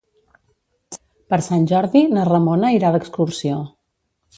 Per Sant Jordi na Ramona irà d'excursió.